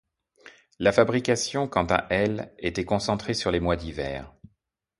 La fabrication, quant à elle, était concentrée sur les mois d'hiver.